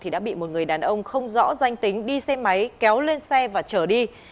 đã bị một người đàn ông không rõ danh tính đi xe máy kéo lên xe và chở đi